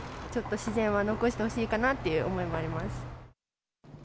ちょっと自然は残してほしいかなという思いもあります。